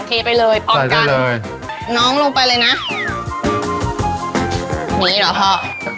เทไปเลยพอดกันน้องลงไปเลยนะนี่เหรอพ่อ